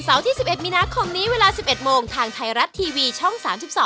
ที่๑๑มีนาคมนี้เวลา๑๑โมงทางไทยรัฐทีวีช่อง๓๒